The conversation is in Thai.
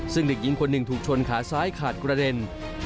ซึ่งเด็กหญิงคนหนึ่งถูกชนขาซ้ายขาดกระเด็น